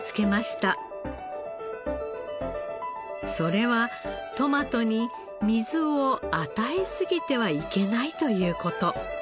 それはトマトに水を与えすぎてはいけないという事。